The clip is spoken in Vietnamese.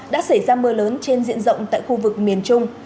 đã xảy ra mưa lớn trên diện rộng tại khu vực miền trung